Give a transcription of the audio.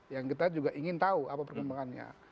yang kita juga ingin tahu apa perkembangannya